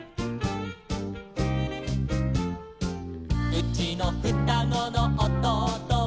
「うちのふたごのおとうとは」